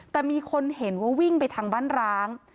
แต่มีคนเห็นว่าวิ่งไปทางบ้านร้าง